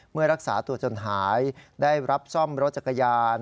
เมื่อรักษาตัวจนหายได้รับซ่อมรถจักรยาน